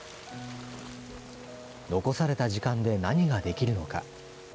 残された時間で何ができるのか。